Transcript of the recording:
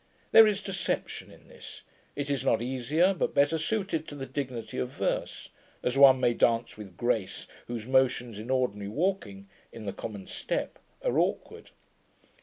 There is deception in this: it is not easier, but better suited to the dignity of verse; as one may dance with grace, whose motions, in ordinary walking in the common step are awkward.